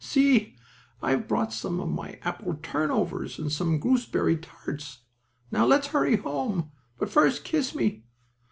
See, I have brought you some apple turnovers, and some gooseberry tarts. Now let's hurry home, but first kiss me."